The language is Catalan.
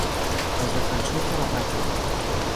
Els defensors de la pàtria.